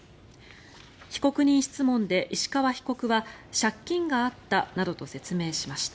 被告人質問でイシカワ被告は借金があったなどと説明しました。